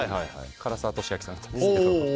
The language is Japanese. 唐沢寿明さんだったんですけど。